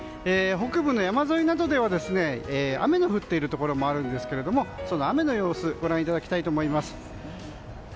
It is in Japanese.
北部の山沿いなどでは雨が降っているところもあるんですけれどもその雨の様子ご覧いただきたいと思います。